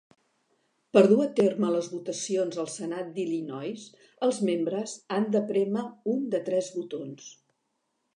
Per dur a terme les votacions al Senat d'Illinois, els membres han de prémer un de tres botons.